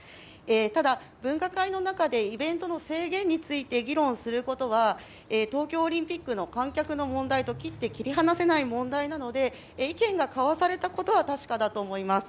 ただ、分科会の中でイベントの制限について議論することは東京オリンピックの観客の問題と切って切り離せない問題なので意見が交わされたことは確かだと思います。